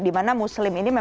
dimana muslim ini memang